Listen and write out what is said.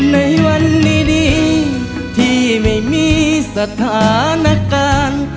ในวันดีที่ไม่มีสถานการณ์